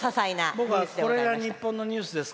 僕は、これが日本のニュースですか？